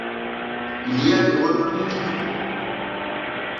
Il y a des renommées qui trompent.